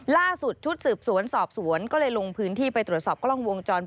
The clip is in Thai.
ล่าสุดชุดสืบสวนสอบสวนก็เลยลงพื้นที่ไปตรวจสอบกล้องวงจรป